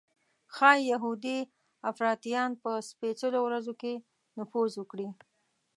ښایي یهودي افراطیان په سپېڅلو ورځو کې نفوذ وکړي.